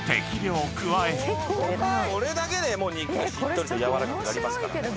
これだけで肉しっとりと軟らかくなりますから。